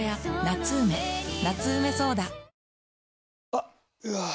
あっ、うわー。